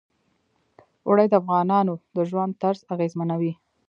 اوړي د افغانانو د ژوند طرز اغېزمنوي.